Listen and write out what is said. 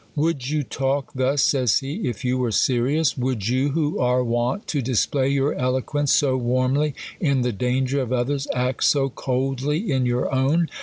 " Would you talk thus (says he) if you were serious ? Would you, who are wont to display your eloquence so warmly in the danger of others, act so coldly in your own?